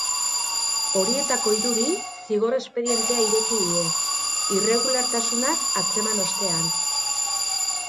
Horietako hiruri zigor espedientea ireki die irregulartasunak atzeman ostean.